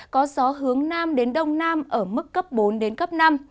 có gió hướng nam đến đông nam ở mức cấp bốn năm